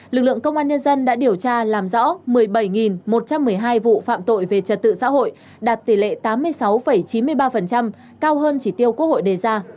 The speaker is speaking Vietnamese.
lực lượng công an nhân dân đã điều tra làm rõ một mươi bảy một trăm một mươi hai vụ phạm tội về trật tự xã hội đạt tỷ lệ tám mươi sáu chín mươi ba cao hơn chỉ tiêu quốc hội đề ra